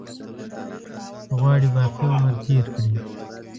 غواړي باقي عمر تېر کړي.